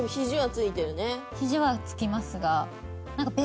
ひじはつきますが。